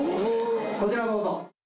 こちらをどうぞ。